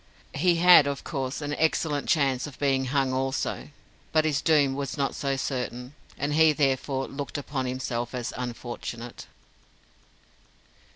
He had, of course, an excellent chance of being hung also, but his doom was not so certain, and he therefore looked upon himself as unfortunate.